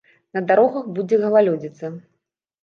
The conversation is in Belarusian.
На дарогах будзе галалёдзіца.